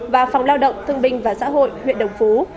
và phòng lao động thương binh và xã hội huyện đồng phú